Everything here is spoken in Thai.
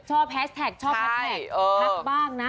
ชอบแพสแท็กชอบแพสแท็กพักบ้างนะ